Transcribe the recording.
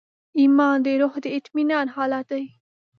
ایمان د روح د اطمینان حالت دی.